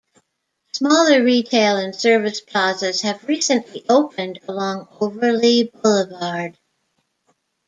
Smaller retail and service plazas have recently opened along Overlea Boulevard.